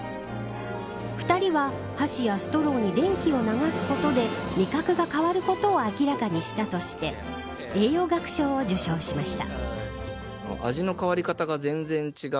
２人は箸やストローに電気を流すことで味覚が変わることを明らかにしたとして栄養学賞を受賞しました。